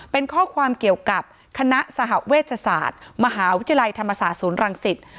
เป็นข้อความเกี่ยวกับคณะสหเวชศาสตร์มหาวิทยาลัยธรรมศาสตร์ศูนย์รังสิต